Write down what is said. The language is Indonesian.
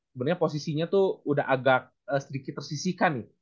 sebenarnya posisinya tuh udah agak sedikit tersisikan nih